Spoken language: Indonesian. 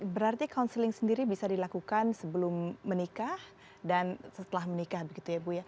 berarti counseling sendiri bisa dilakukan sebelum menikah dan setelah menikah begitu ya bu ya